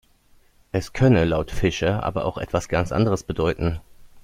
Es könne laut Fischer aber auch etwas ganz anderes bedeuten.